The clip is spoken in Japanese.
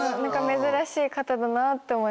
珍しい方だなって思いました。